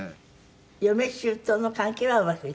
嫁姑の関係はうまくいっている？